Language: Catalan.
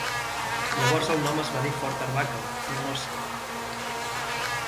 Llavors el nom es va dir Fort Arbuckle en honor seu.